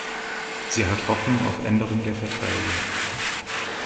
Sie hat Hoffnung auf Änderung der Verträge.